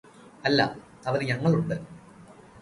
അല്ലാ അവന് ഞങ്ങളുണ്ട്